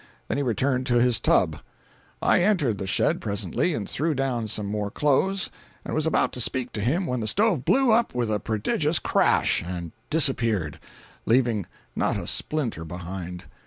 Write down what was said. Then he returned to his tub. I entered the shed presently and threw down some more clothes, and was about to speak to him when the stove blew up with a prodigious crash, and disappeared, leaving not a splinter behind.